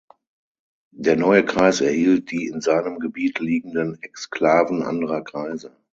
Der neue Kreis erhielt die in seinem Gebiet liegenden Exklaven anderer Kreise.